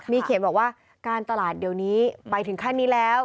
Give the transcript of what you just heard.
มีเขียนบอกว่าการตลาดเดี๋ยวนี้ไปถึงขั้นนี้แล้ว